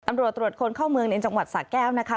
ตำรวจตรวจคนเข้าเมืองในจังหวัดสะแก้วนะคะ